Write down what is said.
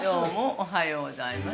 おはようございます。